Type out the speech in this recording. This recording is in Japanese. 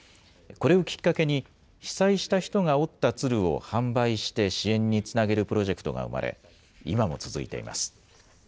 これをきっかけに、被災した人が折った鶴を販売して支援につなげるプロジェクトが生まれ、今も続いています。